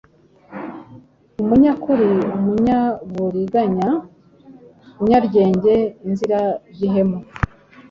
umunyakuri, umunyaburiganya, inyaryenge, inziragihemu,